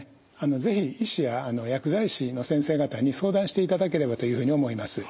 是非医師や薬剤師の先生方に相談していただければというふうに思います。